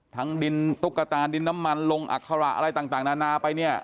ดินตุ๊กตาดินน้ำมันลงอัคระอะไรต่างนานาไปเนี่ย